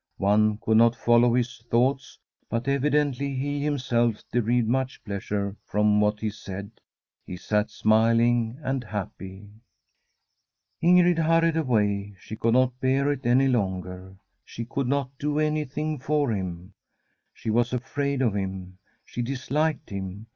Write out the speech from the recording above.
One could not fol low his thoughts, but evidently he himself de rived much pleasure from what he said. He sat smiling and happy. Ingrid hurried away. She could not bear it any longer. She could not do anything for him. She was afraid of him. She disliked him.